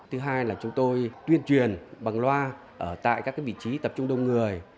thứ hai là chúng tôi tuyên truyền bằng loa tại các vị trí tập trung đông người